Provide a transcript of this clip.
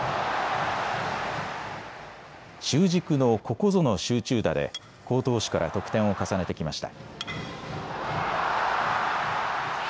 中軸のここぞの集中打で好投手から得点を重ねてきました。